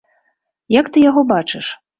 Як ты яго бачыш?